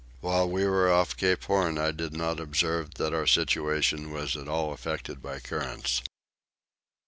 While we were off Cape Horn I did not observe that our situation was at all affected by currents.